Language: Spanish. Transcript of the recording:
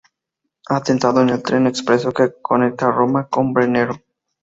Atentado en el tren expreso que conecta Roma con Brennero.